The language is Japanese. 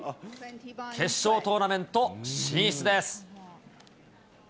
決勝トーナメント進出です。